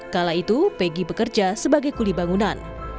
kala itu peggy bekerja sebagai kuli bangunan